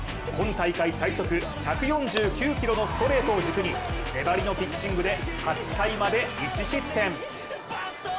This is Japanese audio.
今大会最速１４９キロのストレートを軸に粘りのピッチングで８回まで１失点。